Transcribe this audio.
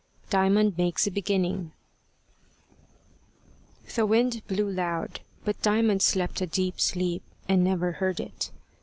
DIAMOND MAKES A BEGINNING THE wind blew loud, but Diamond slept a deep sleep, and never heard it.